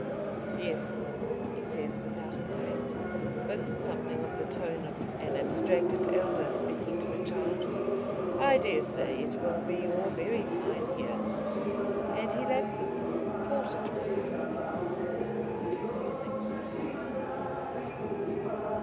"Yes," he says, without interest, with something of the tone of an abstracted elder speaking to a child, "I dare say it will be all very fine here." And he lapses, thwarted from his confidences, into musing.